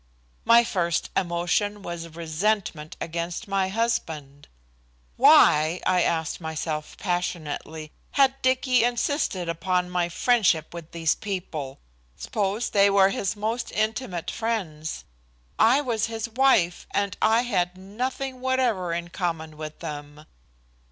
My first emotion was resentment against my husband. Why, I asked myself passionately, had Dicky insisted upon my friendship with these people? Suppose they were his most intimate friends? I was his wife, and I had nothing whatever in common with them.